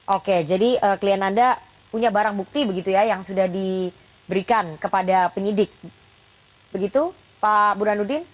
oke jadi klien anda punya barang bukti begitu ya yang sudah diberikan kepada penyidik begitu pak burhanuddin